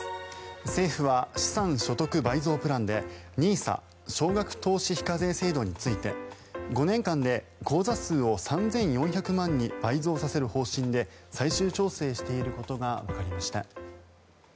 政府は資産所得倍増プランでＮＩＳＡ・少額投資非課税制度について５年間で口座数を３４００万に倍増させる方針で最終調整していることがわかりました。